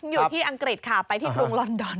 อยู่ที่อังกฤษค่ะไปที่กรุงลอนดอน